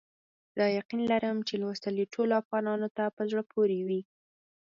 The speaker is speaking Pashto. زه یقین لرم چې لوستل یې ټولو افغانانو ته په زړه پوري وي.